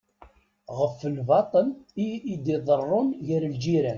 Ɣef lbaṭṭel i iḍerrun gar lǧiran.